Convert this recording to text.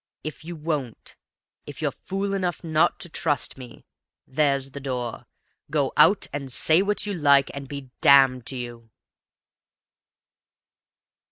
If you won't if you're fool enough not to trust me there's the door. Go out and say what you like, and be damned to you!"